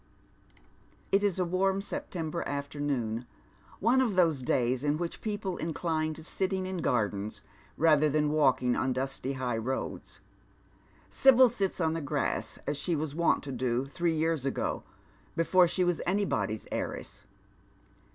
It is a warm September altenioon, one of those days in which people incUno to sitting in gardens rather than walking on dusty Jji;;li roads. Sibyl sits on tiie grass as she was wont to do three years tigo, before she was anybody's heiress.